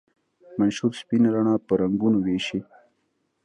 منشور سپینه رڼا په رنګونو ویشي.